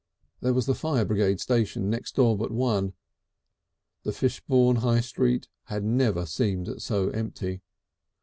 There was the fire brigade station next door but one. The Fishbourne High Street had never seemed so empty.